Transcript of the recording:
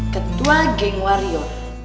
ketua geng wario